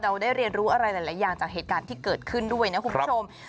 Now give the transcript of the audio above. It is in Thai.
เราได้เรียนรู้อะไรหลายอย่างจากเหตุการณ์ที่เกิดขึ้นด้วยนะคุณผู้ชม